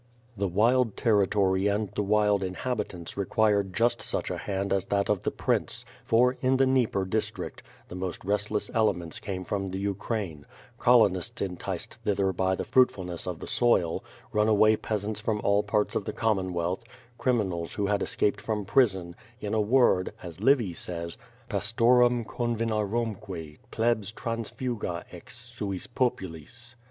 The wild territory and the wild inhabitants required just such a hand as that of the prince; for, in the Dnieper dis trict, the most restless elements came from the Ukraine; col onists enticed thither by the fruitfulness of the soil; runaway peasants from all parts of the Commonwealth; criminals who had escaped from prison; in a word, as Livy says: ^*Pastorum convenarumque plcbs transfuga ex suispopulis.'